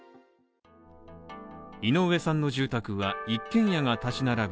井上さんの住宅は１軒家が立ち並ぶ